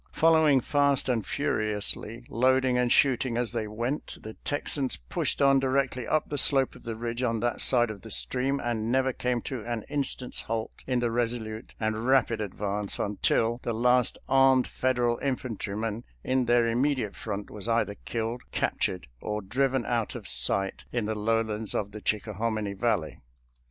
Following fast and furiously, load ing and shooting as they went, the Texans pushed on directly up the slope of the ridge on that side of the stream and never came to an instant's halt in the resolute and rapid advance until 300 SOLDIER'S LETTERS TO CHARMING NELLIE the last armed Federal infantryman in their immediate front was either killed, captured, or driven out of sight in the lowlands of the Ohicka hominy valley.